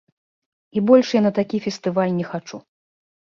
І больш я на такі фестываль не хачу.